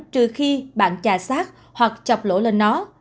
trừ khi bạn chà sát hoặc chọc lỗ lên nó